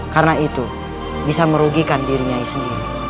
karena itu bisa merugikan diri nyai sendiri